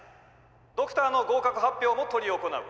「ドクターの合格発表も執り行う。